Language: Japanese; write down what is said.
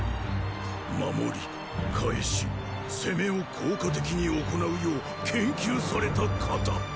「守り・返し・攻め」を効果的に行うよう研究された“型”。